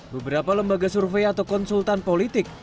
beberapa lembaga survei atau konsultan politik